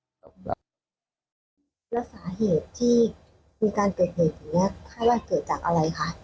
แล้วสาเหตุที่มีการเกิดเหตุอย่างนี้คาดว่าเกิดจากอะไรคะ